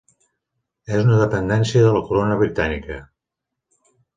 És una dependència de la Corona britànica.